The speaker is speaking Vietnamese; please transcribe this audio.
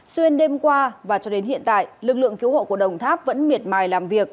xuyên đêm qua và cho đến hiện tại lực lượng cứu hộ của đồng tháp vẫn miệt mài làm việc